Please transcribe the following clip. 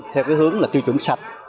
theo hướng tiêu chuẩn sạch